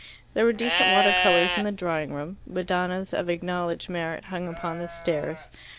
There were decent water colours in the drawing room. Madonnas of acknowledged merit hung upon the stairs.